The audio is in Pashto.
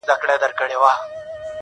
ستا بې لیدلو چي له ښاره وځم-